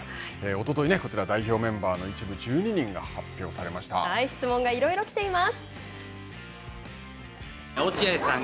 おととい、こちら代表メンバーの質問がいろいろ来ています。